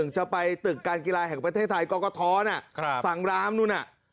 จะไปตึกการกีฬาแห่งประเทศไทยกรกท้อนะฝั่งรามนู่นน่ะ